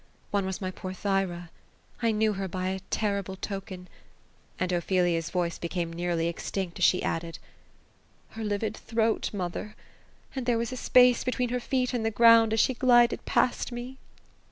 One was my poor Thyra. I knew her by a terrible token." And Ophelia's voice became nearly ex tinct, as she added :—^^ her livid throat, mother : and there was a space between her feet and the ground, as she glided past me."